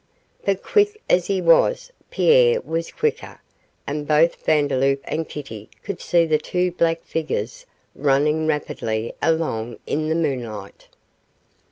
But quick as he was, Pierre was quicker, and both Vandeloup and Kitty could see the two black figures running rapidly along in the moonlight.